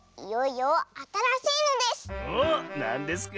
おっなんですか？